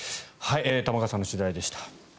玉川さんの取材でした。